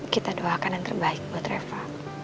kita doakan yang terbaik buat reva